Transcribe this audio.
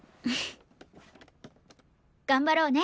頑張ろうね